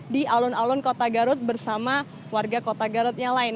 di alun alun kota garut bersama warga kota garut yang lain